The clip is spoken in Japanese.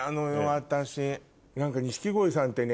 私。